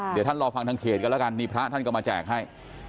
เดี๋ยวท่านรอฟังทางเขตกันแล้วกันนี่พระท่านก็มาแจกให้